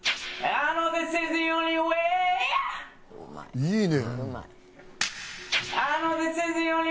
いいね。